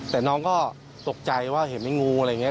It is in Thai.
แต่น้องก็ตกใจว่าเห็นเป็นงูอะไรอย่างนี้